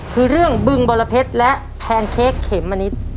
คือเรื่องบึงบรเพชรและแพนเค้กเขมมะนิด